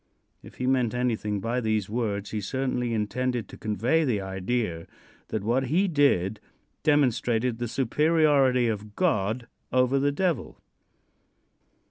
If he meant anything by these words he certainly intended to convey the idea that what he did demonstrated the superiority of God over the Devil.